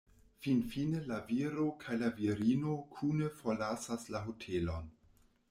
Finfine la viro kaj la virino kune forlasas la hotelon.